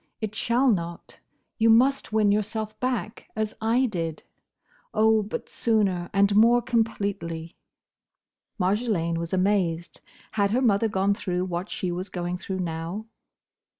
It shall not. You must win yourself back, as I did. Oh! but sooner, and more completely!" Marjolaine was amazed. Had her mother gone through what she was going through now?